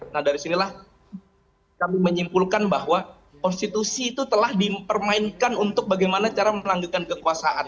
nah dari sinilah kami menyimpulkan bahwa konstitusi itu telah dipermainkan untuk bagaimana cara melanggengkan kekuasaan